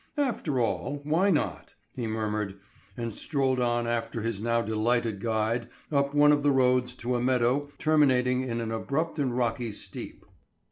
"After all, why not?" he murmured, and strolled on after his now delighted guide, up one of the roads to a meadow terminating in an abrupt and rocky steep.